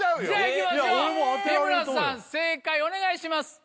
いきましょう日村さん正解お願いします